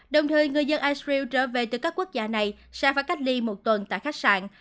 đồng thời người dân itral trở về từ các quốc gia này sẽ phải cách ly một tuần tại khách sạn